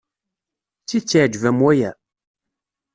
D tidet iɛjeb-am waya?